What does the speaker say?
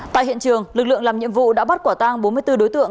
tại hiện trường lực lượng làm nhiệm vụ đã bắt quả tang bốn mươi bốn đối tượng